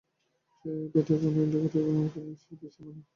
সে বেটা জানে কিনা অন্ধকারেই আমাকে বেশি মানায়।